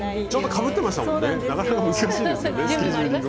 ちょうどかぶってましたもんね。